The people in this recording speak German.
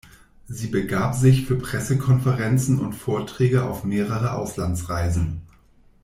Sie begab sich für Pressekonferenzen und Vorträge auf mehrere Auslandsreisen.